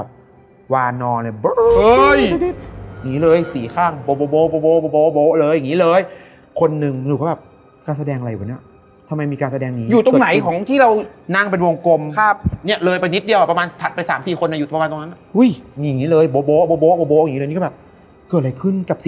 ปวดท้องปวดท้องอึ๊บ